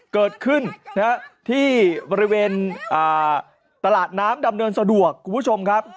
เกิดขึ้นที่บริเวณตลาดน้ำดำเนินสะดวกคุณผู้ชมครับ